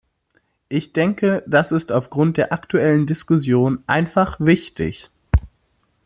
Ich denke, das ist aufgrund der aktuellen Diskussion einfach wichtig.